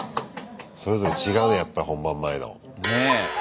それぞれ違うねやっぱ本番前の感じが。